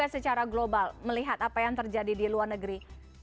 secara global melihat apa yang terjadi di luar negeri